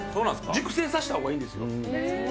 熟成させたほうがいいんですよ。